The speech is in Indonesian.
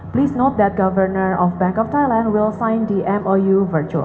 silakan perhatikan bahwa pemerintah bank thailand akan menandatangani mou secara virtual